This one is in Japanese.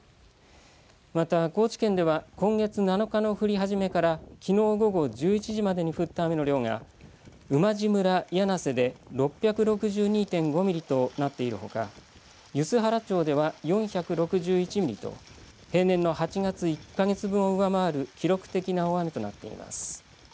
また、高知県では今月７日の降り始めからきのう午後１１時までに降った雨の量が馬路村魚梁瀬で６６２．５ミリとなっているほか梼原町では４６１ミリと平年の８月１か月分を上回る記録的な大雨となっています。